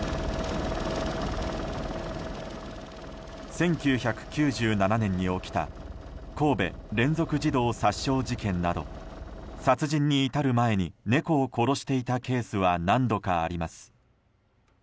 １９９７年に起きた神戸連続児童殺傷事件など殺人に至る前に猫を殺していたケースは何度かあります。